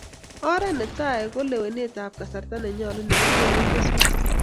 Oret ne tai ko lewenet ab kasarta nenyolu nekikolee keswek